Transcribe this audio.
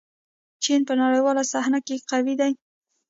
چین په نړیواله صحنه کې قوي دی.